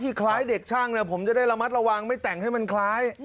คล้ายเด็กช่างผมจะได้ระมัดระวังไม่แต่งให้มันคล้าย